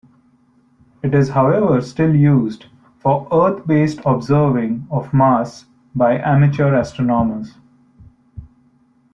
It is however still used for Earth-based observing of Mars by amateur astronomers.